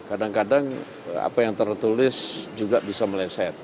kadang kadang apa yang tertulis juga bisa meleset